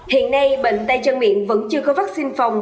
hiện nay bệnh tay chân miệng vẫn chưa có vắc xin phòng